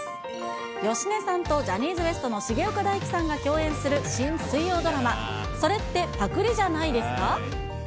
芳根さんとジャニーズＷＥＳＴの重岡大毅さんが共演する新水曜ドラマ、それってパクリじゃないですか？